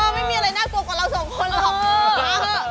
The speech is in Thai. ไม่มีอะไรน่ากลัวกว่าเราสองคนหรอก